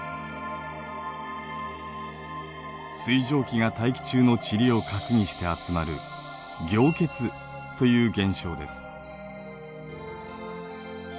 水蒸気が大気中のチリを核にして集まる凝結という現象です。